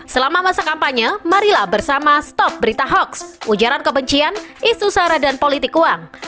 selama masa kampanye marilah bersama stop berita hoax ujaran kebencian isu sara dan politik uang